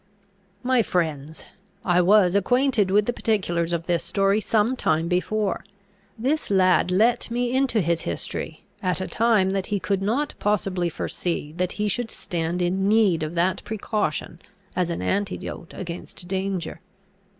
"My friends, I was acquainted with the particulars of this story some time before. This lad let me into his history, at a time that he could not possibly foresee that he should stand in need of that precaution as an antidote against danger.